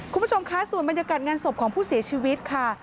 คุณผู้ชมคะส่วนบรรยากาศงานศพของผู้เสียชีวิตค่ะ